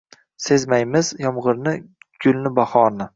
Sezmaymiz yomg’irni, gulni bahorni.